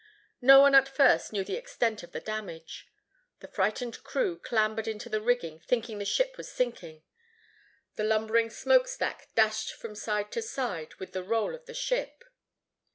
No one at first knew the extent of the damage. The frightened crew clambered into the rigging, thinking the ship was sinking. The lumbering smoke stack dashed from side to side with the roll of the ship.